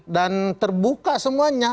dan terbuka semuanya